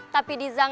tapi diza gak cantik